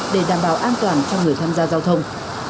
để đảm bảo an toàn cho người tham gia giao thông